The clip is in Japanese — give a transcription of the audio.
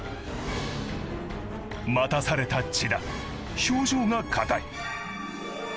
待たされた千田表情が硬い。